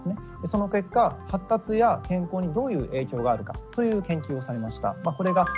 その結果発達や健康にどういう影響があるか？という研究をされました。